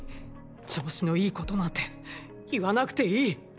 調子のいいことなんて言わなくていい。